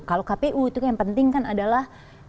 kalau kpu itu yang penting kan adalah